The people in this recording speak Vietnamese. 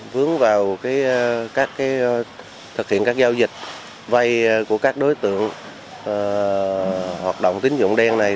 vướng vào thực hiện các giao dịch vay của các đối tượng hoạt động tín dụng đen này